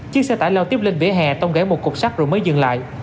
chiếc xe tải lao tiếp lên vỉa hè tông gãy một cục sắt rồi mới dừng lại